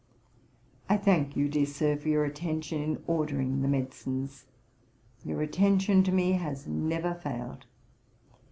I thank you, dear Sir, for your attention in ordering the medicines; your attention to me has never failed.